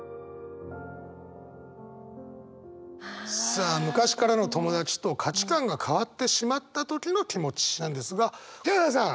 さあ昔からの友達と価値観が変わってしまった時の気持ちなんですがヒャダさん！